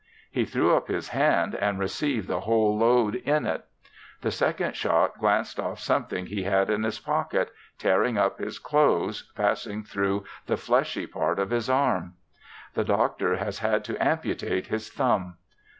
He threw up his hand and received the whole load in it. The second shot glanced off something he had in his pocket, tearing up his clothes, passed through the fleshy part of his arm. The Doctor has had to amputate his thumb.